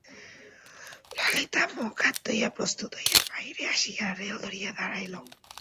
ললিতা মুখ-হাত ধুইয়া প্রস্তুত হইয়া বাহিরে আসিয়া রেল ধরিয়া দাঁড়াইল।